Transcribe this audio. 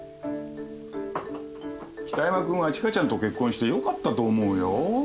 北山君は知花ちゃんと結婚してよかったと思うよ。